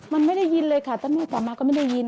มันไม่ได้ยินเลยค่ะตอนนี้ต่อมาก็ไม่ได้ยิน